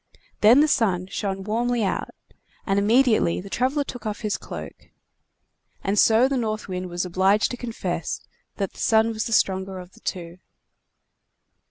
Then the Sun shined out warmly, and immediately the traveler took off his cloak. And so the North Wind was obliged to confess that the Sun was the stronger of the two.